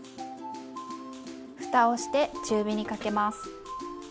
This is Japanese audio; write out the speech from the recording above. ふたをして中火にかけます。